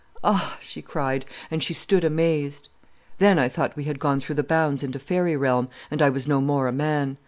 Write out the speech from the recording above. "'Ah!' she cried, and she stood amazed. "Then I thought we had gone through the bounds into faery realm, and I was no more a man.